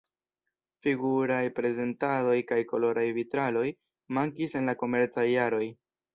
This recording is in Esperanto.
Figuraj prezentadoj kaj koloraj vitraloj mankis en la komencaj jaroj.